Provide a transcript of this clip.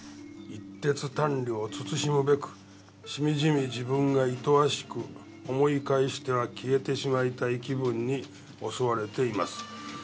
「一徹短慮を慎むべくしみじみ自分が厭わしく思い返しては消えてしまいたい気分に襲われています」